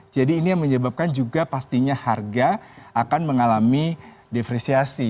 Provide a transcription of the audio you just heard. ini yang menyebabkan juga pastinya harga akan mengalami depresiasi